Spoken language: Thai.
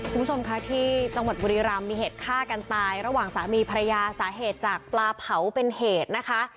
คุณผู้ชมค่ะที่จังหวัดบุรีรำมีเหตุฆ่ากันตายระหว่างสามีภรรยาสาเหตุจากปลาเผาเป็นเหตุนะคะ